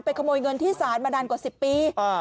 ไปขโมยเงินที่ศาลมานานกว่าสิบปีอ่า